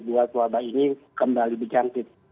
buat wabah ini kembali berjangkit